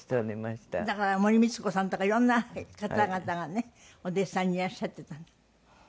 だから森光子さんとかいろんな方々がねお弟子さんにいらっしゃってた。